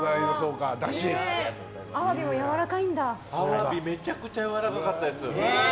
アワビめちゃくちゃやわらかかったです。